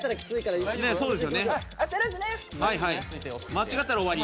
間違ったら終わり。